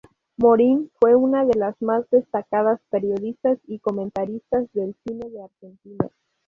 Morín fue una de las más destacadas periodistas y comentaristas de cine de Argentina.